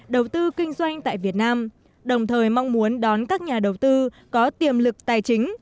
đầu tư kinh doanh tại việt nam đồng thời mong muốn đón các nhà đầu tư có tiềm lực tài chính